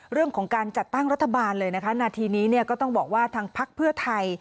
เรื่องของการจัดตั้งรัฐบาลเลยนะคะนาทีนี้เนี่ยก็ต้องบอกว่าทางพักเพื่อไทย